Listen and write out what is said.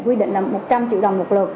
quy định là một trăm linh triệu đồng một lượt